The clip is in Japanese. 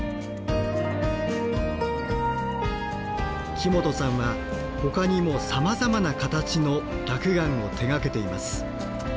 木本さんはほかにもさまざまな形の落雁を手がけています。